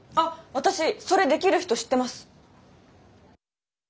私それできる人知ってます。